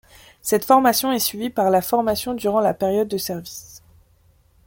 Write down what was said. Cette formation est suivi par la formation durant la période de service.